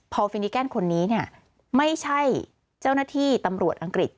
พอฟินิแกนคนนี้เนี่ยไม่ใช่เจ้าหน้าที่ตำรวจอังกฤษ